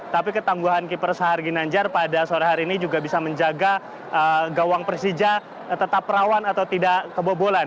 tapi ketangguhan keeper sahar ginanjar pada sore hari ini juga bisa menjaga gawang persija tetap rawan atau tidak kebobolan